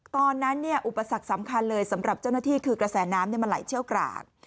ตอนนั้นอุปสรรคสำคัญเลยสำหรับเจ้าหน้าที่คือกระแสน้ำมันไหลเชี่ยวกราก